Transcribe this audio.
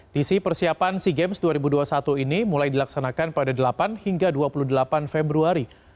tisi persiapan sea games dua ribu dua puluh satu ini mulai dilaksanakan pada delapan hingga dua puluh delapan februari